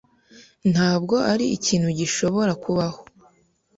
Ntabwo ari ikintu gishobora kubaho.